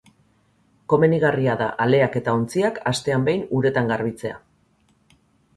Komenigarria da aleak eta ontzia astean behin uretan garbitzea.